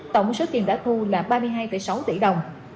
tổng số tiền đã thu là ba mươi hai sáu tỷ đồng